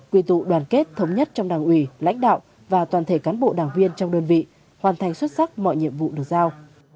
quy tụ đoàn kết thống nhất trong đảng ủy lãnh đạo và toàn thể cán bộ đảng viên trong đơn vị hoàn thành xuất sắc mọi nhiệm vụ được giao